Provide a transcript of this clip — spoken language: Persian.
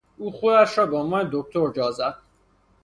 او خودش را به عنوان دکتر جا زد.